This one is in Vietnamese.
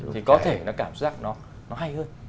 thì có thể nó cảm giác nó hay hơn